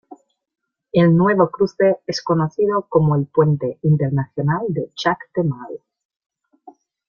El nuevo cruce es conocido como el Puente Internacional de Chac-Temal.